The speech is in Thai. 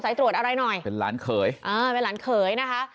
ตรวจอะไรหน่อยเป็นหลานเขยอ่าเป็นหลานเขยนะคะ